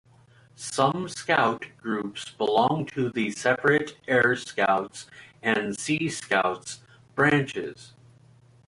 Some Scout Groups belong to separate Air Scouts and Sea Scouts branches.